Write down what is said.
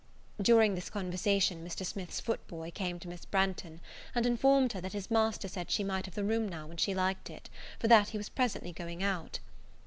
During this conversation, Mr. Smith's foot boy came to Miss Branghton, and informed her, that his master said she might have the room now when she liked it, for that he was presently going out.